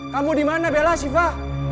kamu dimana bella siva